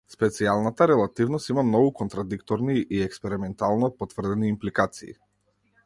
Специјалната релативност има многу контрадикторни и експериментално потврдени импликации.